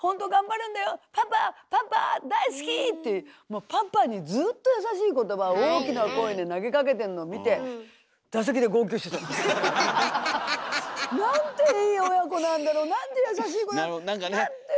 もうパパにずっと優しい言葉を大きな声で投げかけてんのを見てなんていい親子なんだろうなんて優しい子だなんて。